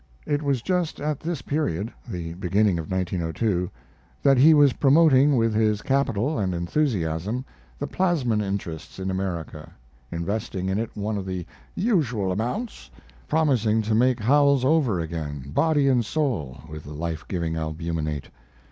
It was just at this period (the beginning of 1902) that he was promoting with his capital and enthusiasm the plasmon interests in America, investing in it one of the "usual amounts," promising to make Howells over again body and soul with the life giving albuminate.